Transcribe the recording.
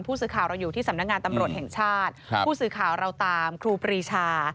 ผู้สื่อข่าวเราอยู่ที่สำนักงานตำรวจแห่งชาติผู้สื่อข่าวเราตามครูปรีชา